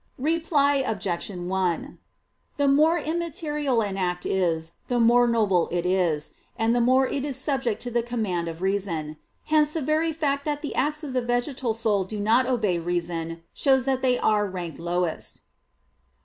Reply Obj. 1: The more immaterial an act is, the more noble it is, and the more is it subject to the command of reason. Hence the very fact that the acts of the vegetal soul do not obey reason, shows that they rank lowest.